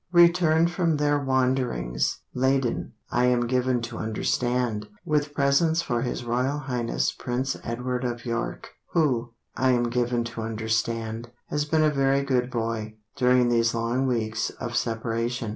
Return from their wanderings, Laden, I am given to understand, With presents for his Royal Highness Prince Edward of York, Who, I am given to understand, Has been a very good boy During these long weeks of separation.